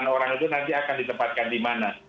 delapan orang itu nanti akan ditempatkan di mana